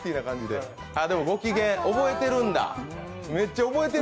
でもご機嫌、覚えてるんだ。